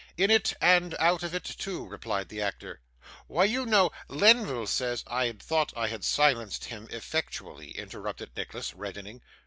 'In it and out of it too,' replied the actor. 'Why, you know, Lenville says ' 'I thought I had silenced him effectually,' interrupted Nicholas, reddening.